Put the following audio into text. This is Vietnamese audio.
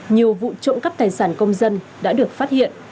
nhiều vụ trộm cắp tài sản công dân đã được phát hiện